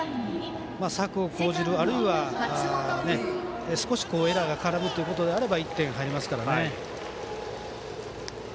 策を講じる、あるいは少しエラーが絡むっていうことであれば１点入りますからね。